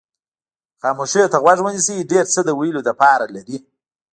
خاموشۍ ته غوږ ونیسئ ډېر څه د ویلو لپاره لري.